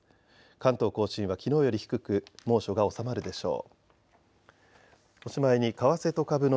関東甲信はきのうより低く猛暑が収まるでしょう。